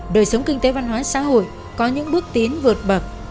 đời sống kinh tế văn hóa xã hội có những bước tiến vượt bậc